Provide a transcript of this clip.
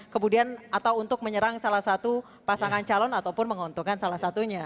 kemudian atau untuk menyerang salah satu pasangan calon ataupun menguntungkan salah satunya